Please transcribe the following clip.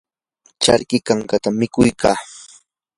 charki kankatam mikuy kaa.